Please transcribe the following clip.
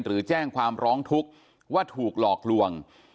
หรือแจ้งความร้องทุกข์ว่าถูกหลอกลวง